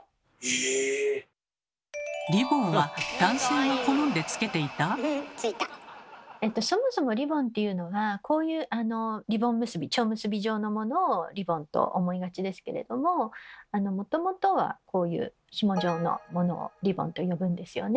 え⁉リボンは男性が好んでつけていた⁉そもそもリボンっていうのはこういうリボン結び蝶結び状のものをリボンと思いがちですけれどももともとはこういうひも状のものをリボンと呼ぶんですよね。